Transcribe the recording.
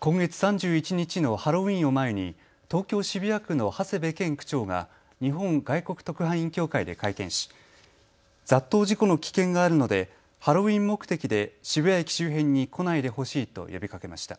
今月３１日のハロウィーンを前に東京渋谷区の長谷部健区長が日本外国特派員協会で会見し雑踏事故の危険があるのでハロウィーン目的で渋谷駅周辺に来ないでほしいと呼びかけました。